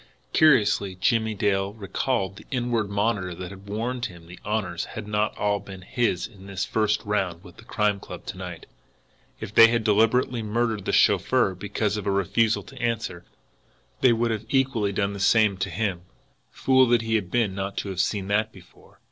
Curiously now Jimmie Dale recalled the inward monitor that had warned him the honours had not all been his in this first round with the Crime Club to night. If they had deliberately murdered the chauffeur because of a refusal to answer, they would equally have done the same to him. Fool that he had been not to have seen that before!